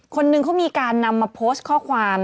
คนนึงเขามีการนำมาโพสต์ข้อความ